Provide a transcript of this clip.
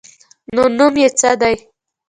_نو نوم يې څه دی؟